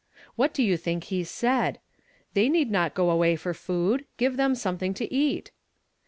"What do you think he said? 'They need not go away for food; give them something to eat.'